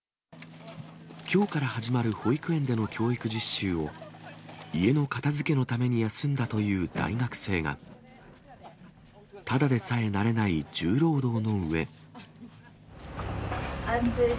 きょうから始まる保育園での教育実習を、家の片づけのために休んだという大学生は、ただでさえ慣れない重暑い。